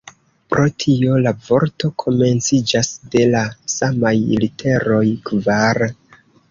Pro tio la vorto komenciĝas de la samaj literoj "kvar".